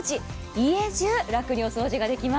家中、楽にお掃除ができます。